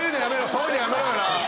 そういうのやめろよな。